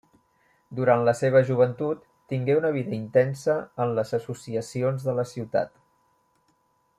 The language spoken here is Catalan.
Durant la seva joventut tingué una vida intensa en les associacions de la ciutat.